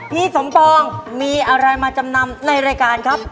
สมปองมีอะไรมาจำนำในรายการครับ